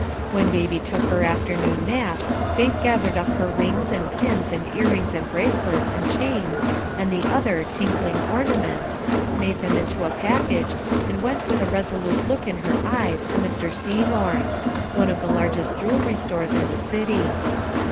When baby took her afternoon nap, Faith gathered up her rings, and pins, and ear rings, and bracelets, and chains, and all the other "tinkling ornaments," made them into a package, and went with a resolute look in her eyes to Mr. Seymour's one of the largest jewellery stores in the city.